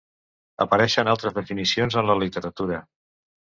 Apareixen altres definicions en la literatura.